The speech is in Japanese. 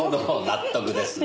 納得です。